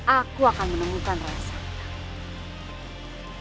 aku akan menemukan rara santang